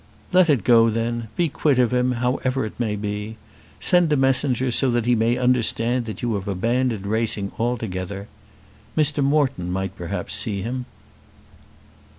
"Let it go then. Be quit of him, however it may be. Send a messenger so that he may understand that you have abandoned racing altogether. Mr. Moreton might perhaps see him."